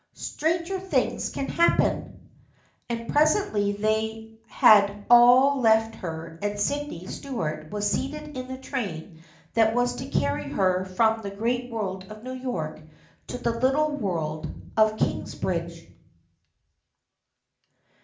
" Stran ger things than that happen." And presently they had all left her and Sydney Stuart was seated in the train that was to carry her from the great world of New York to the little world of Kingsbridge.